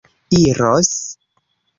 iros